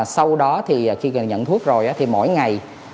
sau đó thì khi nhận thuốc rồi thì mỗi ngày